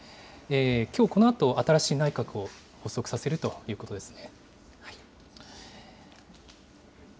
きょうこのあと、新しい内閣を発足させるということですね。